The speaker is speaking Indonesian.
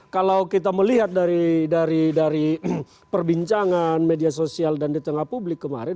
kalau kita melihat dari perbincangan media sosial dan di tengah publik kemarin